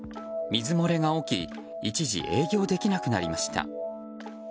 水漏れが起き一時営業できなくなりました。